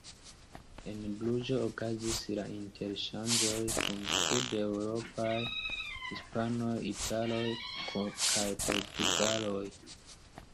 En Bruĝo okazis la interŝanĝoj kun sud-eŭropanoj: hispanoj, italoj kaj portugaloj.